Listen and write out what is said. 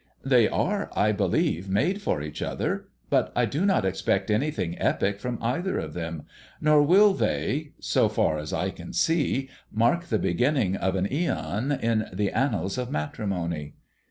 "They are, I believe, made for each other; but I do not expect anything epic from either of them, nor will they, so far as I can see, mark the beginning of an æon in the annals of matrimony."